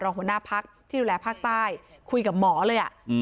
รองหัวหน้าพักษ์ที่ดูแลภาคใต้คุยกับหมอเลยอ่ะอืม